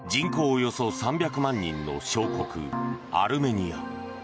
およそ３００万人の小国アルメニア。